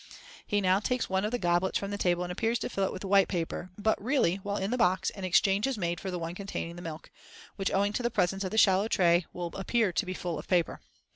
He now takes one of the goblets from the table and appears to fill it with white paper, but really, while in the box, an exchange is made for the one containing the milk, which, owing to the presence of the shallow tray, will appear to be full of paper.